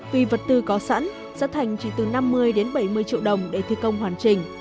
vì vật tư có sẵn giá thành chỉ từ năm mươi đến bảy mươi triệu đồng để thi công hoàn chỉnh